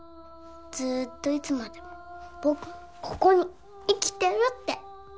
ずっといつまでもぼくのここに生きてるって！